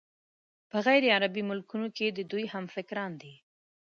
په غیرعربي ملکونو کې د دوی همفکران دي.